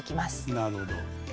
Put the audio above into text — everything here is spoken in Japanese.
なるほど。